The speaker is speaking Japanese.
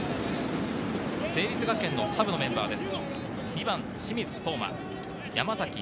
成立学園のサブのメンバーです。